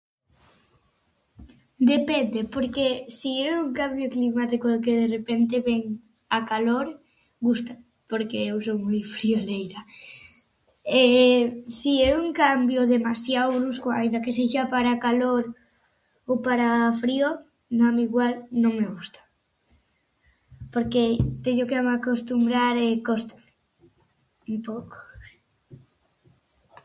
Depende porque si é un cambio climático que de repende vén a calor, gústame porque eu son moi frioleira, e si é un cambio demasiao brusco, aínda que sexa para calor ou para frío, dame igual, non me gusta porque teño que me acostumbrar e cóstame un pouco.